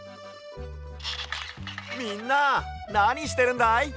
みんななにしてるんだい？